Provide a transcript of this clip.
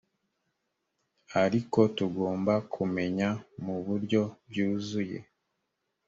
ariko tugomba kumenya mu buryo byuzuye